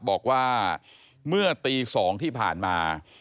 บอกว่าเมื่อตี๒ที่ผ่านมา